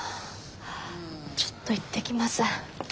ちょっと行ってきます。